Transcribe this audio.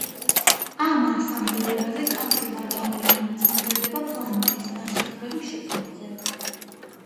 ამ ასამბლეაზე კავშირმა გამოიტანა წინადადება პლანეტის განსაზღვრების შეცვლაზე.